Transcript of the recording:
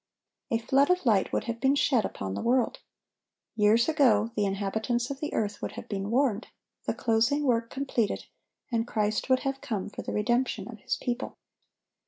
A flood of light would have been shed upon the world. Years ago the inhabitants of the earth would have been warned, the closing work completed, and Christ would have come for the redemption of His people.